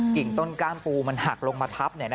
ต้นกล้ามปูมันหักลงมาทับ